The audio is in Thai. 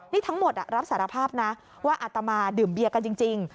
นี่ทั้งหมดรับสารภาพนะว่าอาตมาดื่มเบียร์กันจริง